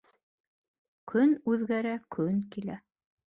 Көн үҙгәрә көн килә